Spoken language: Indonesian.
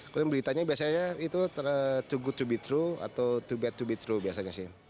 kemudian beritanya biasanya itu too good to be true atau too bad to be true biasanya sih